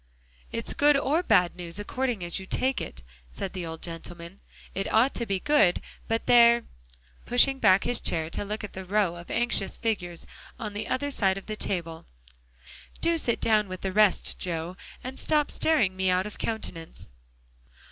"It's good or bad news according as you take it," said the old gentleman. "It ought to be good. But there," pushing back his chair to look at the row of anxious figures the other side of the table, "do sit down with the rest, Joe, and stop staring me out of countenance."